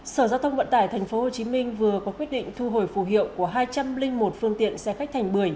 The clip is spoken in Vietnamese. sở giao thông vận tải tp hcm vừa có quyết định thu hồi phù hiệu của hai trăm linh một phương tiện xe khách thành bư